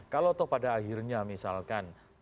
kalau pada akhirnya misalkan